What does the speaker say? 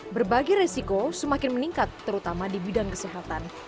berbagai resiko semakin meningkat terutama di bidang kesehatan